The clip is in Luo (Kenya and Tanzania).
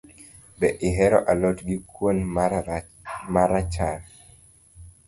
Be ihero a lot gi kuon marachar.